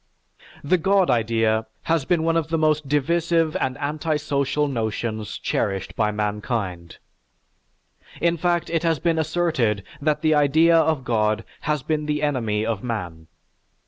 The God idea has been one of the most divisive and anti social notions cherished by mankind. In fact it has been asserted that the idea of God has been the enemy of man.